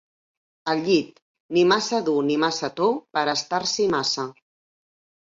El llit, ni massa dur ni massa tou pera estar-s'hi massa